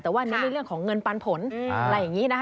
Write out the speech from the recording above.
แต่ว่าเน้นในเรื่องของเงินปันผลอะไรอย่างนี้นะคะ